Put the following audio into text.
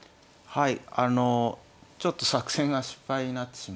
はい。